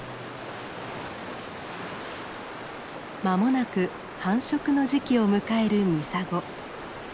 間もなく繁殖の時期を迎えるミサゴ。